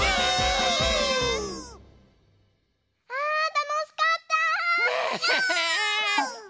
あたのしかった！ね。